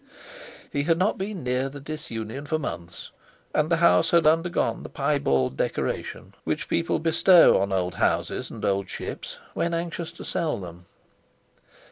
He had not been near the "Disunion" for months, and the house had undergone the piebald decoration which people bestow on old houses and old ships when anxious to sell them.